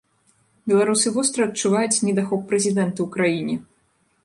Беларусы востра адчуваюць недахоп прэзідэнта ў краіне.